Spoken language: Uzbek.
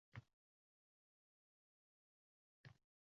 Biz buni yoshlar tarbiyasi, ma'naviyat, musaffo osmon deymiz